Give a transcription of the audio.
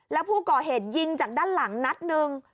แล้วผู้ก่อเหตุยิงจากด้านหลังนัดหนึ่ง